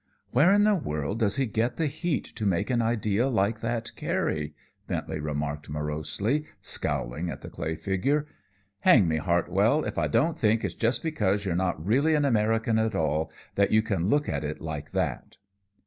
"Where in the world does he get the heat to make an idea like that carry?" Bentley remarked morosely, scowling at the clay figure. "Hang me, Hartwell, if I don't think it's just because you're not really an American at all, that you can look at it like that."